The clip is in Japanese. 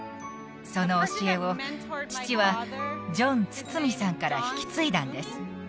その教えを父はジョン・ツツミさんから引き継いだんです